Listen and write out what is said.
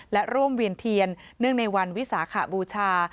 และร่วมเวียนเทียนเนื่องในวันวิสาขบูชา